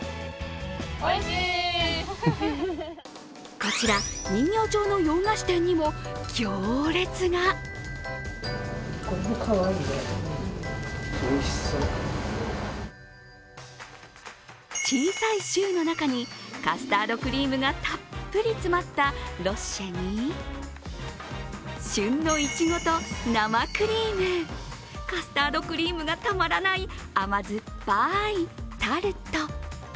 こちら、人形町の洋菓子店にも行列がる小さいシューの中にカスタードクリームがたっぷり詰まったロッシェに、旬のいちごと生クリームカスタードクリームがたまらない甘酸っぱいタルト。